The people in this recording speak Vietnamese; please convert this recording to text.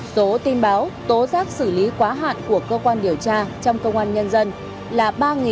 số tin báo tố giác xử lý quá hạn của cơ quan điều tra trong công an nhân dân là ba ba trăm sáu mươi